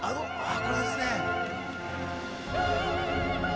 これですね。